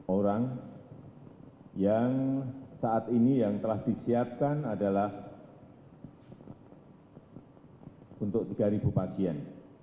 empat orang yang saat ini yang telah disiapkan adalah untuk tiga pasien